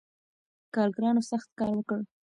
کارګرانو سخت کار وکړ.